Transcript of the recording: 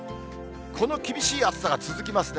この厳しい暑さが続きますね。